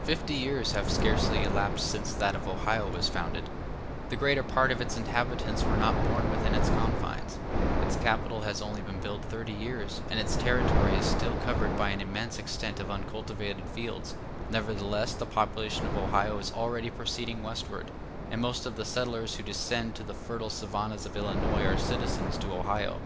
Fifty years have scarcely elapsed since that of Ohio was founded; the greater part of its inhabitants were not born within its confines; its capital has only been built thirty years, and its territory is still covered by an immense extent of uncultivated fields; nevertheless the population of Ohio is already proceeding westward, and most of the settlers who descend to the fertile savannahs of Illinois are citizens of Ohio.